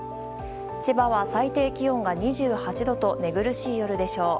千葉は最低気温が２８度と寝苦しい夜でしょう。